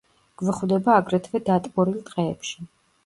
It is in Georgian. გვხვდება აგრეთვე დატბორილ ტყეებში.